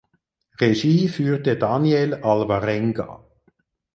Regie führte Daniel Alvarenga.